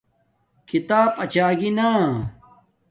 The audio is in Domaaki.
کھیتاپ اچاگی نا